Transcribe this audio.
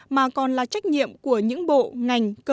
mà còn là trách nhiệm của những bộ ngành